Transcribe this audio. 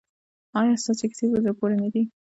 ایا ستاسو کیسې په زړه پورې نه دي؟